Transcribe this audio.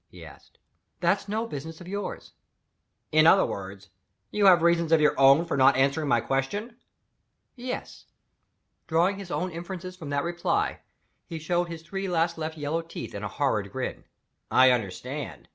he asked. "That's no business of yours." "In other words, you have reasons of your own for not answering my question?" "Yes." Drawing his own inferences from that reply, he showed his three last left yellow teeth in a horrid grin. "I understand!"